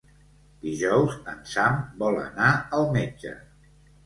Dijous en Sam vol anar al metge.